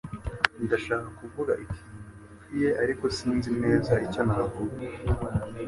Ndashaka kuvuga ikintu gikwiye, ariko sinzi neza icyo navuga.